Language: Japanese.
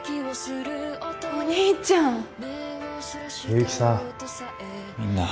お兄ちゃん。